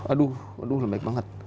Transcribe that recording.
aduh lembek banget